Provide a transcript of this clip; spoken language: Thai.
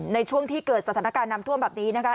ในช่วงที่เกิดสถานการณ์น้ำท่วมแบบนี้นะคะ